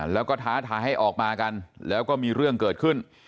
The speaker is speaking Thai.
แล้วก็ท้าทายให้ออกมากันแล้วก็มีเรื่องเกิดขึ้น